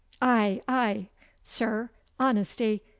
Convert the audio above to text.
'Aye, aye, Sir. Honesty.